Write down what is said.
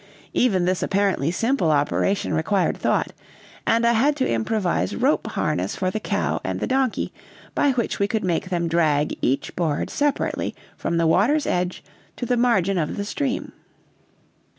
Even this apparently simple operation required thought, and I had to improvise rope harness for the cow and the donkey, by which we could make them drag each board separately from the water's edge to the margin of the stream.